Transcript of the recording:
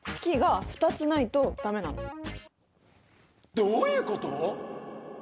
どういうこと？